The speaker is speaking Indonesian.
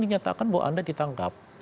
dinyatakan bahwa anda ditangkap